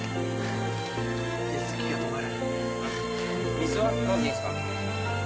水は飲んでいいんすか？